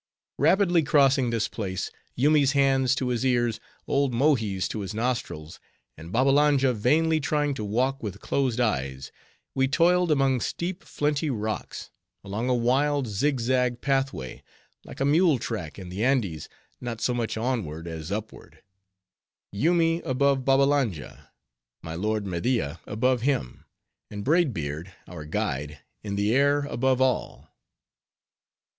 Rapidly crossing this place, Yoomy's hands to his ears, old Mohi's to his nostrils, and Babbalanja vainly trying to walk with closed eyes, we toiled among steep, flinty rocks, along a wild, zigzag pathway; like a mule track in the Andes, not so much onward as upward; Yoomy above Babbalanja, my lord Media above him, and Braid Beard, our guide, in the air, above all.